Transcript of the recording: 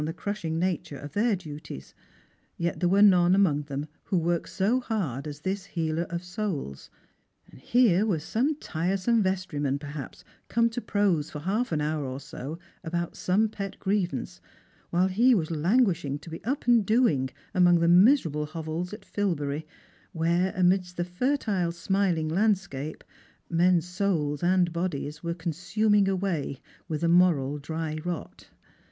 the crushing nature of their duties, yet there were none among them who worked so hard as this healer of souls. Here was some tiresome vestryman, perhaps, come to prose for half an hour or so about some jset grievance, while he was languishing to be up and doing among the miserable hovels at Filbury, where, amidst the fertile smiling landscape, men's souls and bodies were consuming away with a moral dry rot.